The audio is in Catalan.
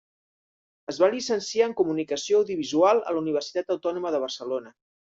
Es va llicenciar en Comunicació Audiovisual a la Universitat Autònoma de Barcelona.